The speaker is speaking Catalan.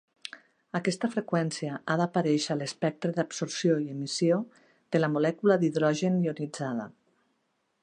Aquesta freqüència ha d'aparèixer a l'espectre d'absorció i emissió de la molècula d'hidrogen ionitzada.